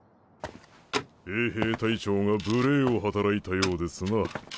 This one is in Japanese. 衛兵隊長が無礼を働いたようですな。